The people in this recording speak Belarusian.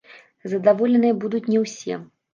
Задаволеныя будуць не ўсе.